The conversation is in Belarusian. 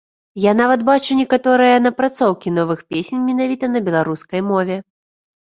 Я нават бачу некаторыя напрацоўкі новых песень менавіта на беларускай мове.